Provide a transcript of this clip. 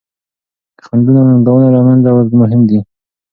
د خنډونو او ننګونو له منځه وړل مهم دي.